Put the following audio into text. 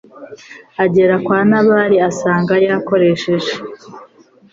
agera kwa Nabali asanga yakoresheje